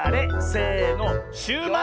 せのシューマイ！